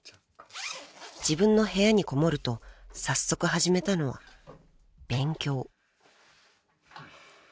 ［自分の部屋にこもると早速始めたのは勉強］